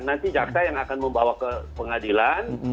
mereka yang akan membawa ke pengadilan